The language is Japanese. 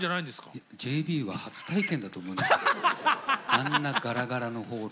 あんなガラガラのホール。